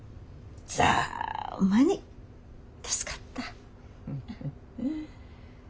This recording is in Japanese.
ざぁまに助かった。